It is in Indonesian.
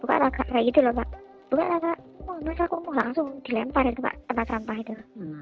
bukan laka laka mau langsung dilempar tempat sampah itu